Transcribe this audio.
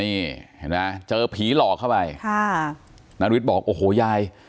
นี่เห็นไหมเจอผีหลอกเข้าไปค่ะนาริสบอกโอ้โหยาย